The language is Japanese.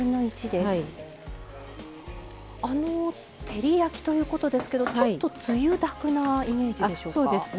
照り焼きということですけどちょっとつゆだくなイメージでしょうか。